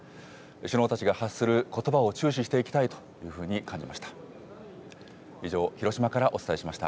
首脳たちが発することばを注視していきたいというふうに感じました。